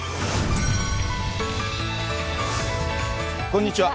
こんにちは。